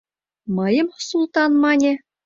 Мыйым Султан мане?!